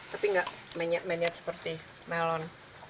tapi nggak menyat menyat seperti melon